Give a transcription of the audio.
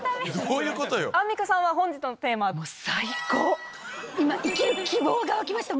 アンミカさんは本日のテーマは？が湧きました。